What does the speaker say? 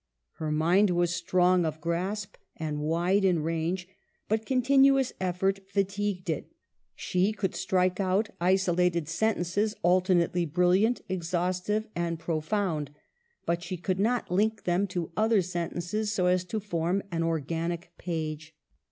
Her mind was strong of grasp and wide in range, but continuous effort fatigued it. She could strike out isolated sentences alternately bril liant, exhaustive and profound, but she could not link them to other sentences so as to form an organic page.